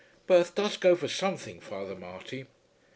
"Birth does go for something, Father Marty."